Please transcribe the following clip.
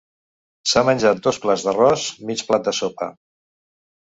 S'ha menjat dos plats d'arròs, mig plat de sopa.